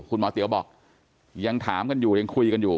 เตี๋ยวบอกยังถามกันอยู่ยังคุยกันอยู่